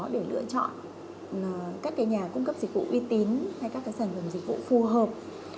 để lựa chọn các nhà cung cấp dịch vụ uy tín hay các sản phẩm dịch vụ phù hợp